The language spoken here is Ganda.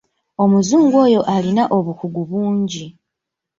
Omuzungu oyo alina obukugu bungi.